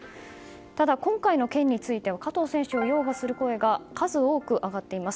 ただ、今回の件については加藤選手を擁護する声が数多く上がっています。